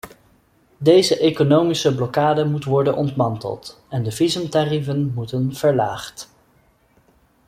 Deze economische blokkade moet worden ontmanteld en de visumtarieven moeten verlaagd.